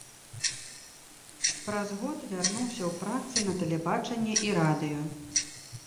Праз год вярнуўся ў працы на тэлебачанні і радыё.